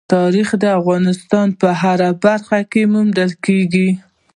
تاریخ د افغانستان په هره برخه کې موندل کېږي.